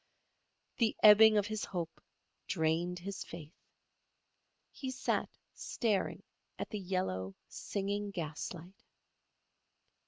The ebbing of his hope drained his faith. He sat staring at the yellow, singing gaslight.